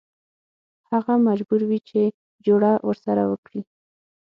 هغه مجبور وي چې جوړه ورسره وکړي.